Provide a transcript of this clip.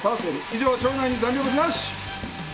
以上腸内に残留物なし。